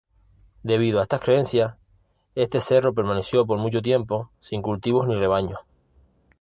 Debido a estas creencias, este cerro permaneció por mucho tiempo sin cultivos ni rebaños.